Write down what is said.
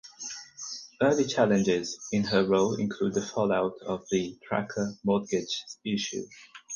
Early challenges in her role include the fallout of the tracker mortgage issue.